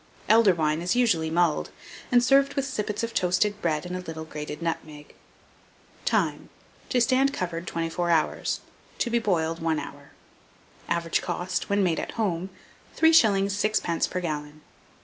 Elder wine is usually mulled, and served with sippets of toasted bread and a little grated nutmeg. Time. To stand covered 24 hours; to be boiled 1 hour. Average cost, when made at home, 3s. 6d. per gallon.